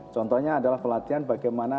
contohnya adalah pelatihan bagaimana